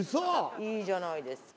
いいじゃないですか。